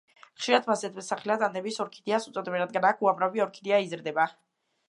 ხშირად მას ზედმეტსახელად „ანდების ორქიდეას“ უწოდებენ, რადგან აქ უამრავი ორქიდეა იზრდება.